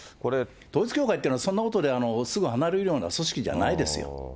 統一教会っていうのは、そんなことですぐ離れるような組織じゃないですよ。